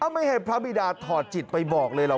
ไม่ให้พระบิดาถอดจิตไปบอกเลยหรอก